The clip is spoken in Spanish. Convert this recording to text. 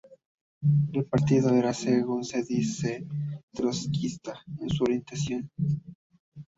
El partido era según se dice 'Trotskista' en su orientación.